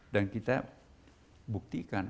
dan kita buktikan